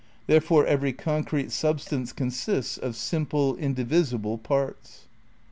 There fore every concrete substance consists of simple, in divisible parts.